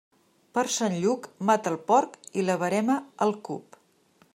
Per Sant Lluc, mata el porc, i la verema al cup.